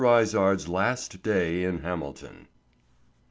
IZARD'S LAST DAY IN HAMILTON.